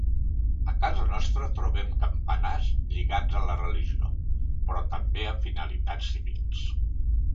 A casa nostra trobem campanars lligats a la religió, però també a finalitats civils.